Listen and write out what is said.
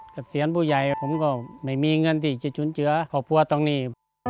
เกษียณผู้ใหญ่ผมก็ไม่มีเงินที่จะจุนเจือครอบครัวตรงนี้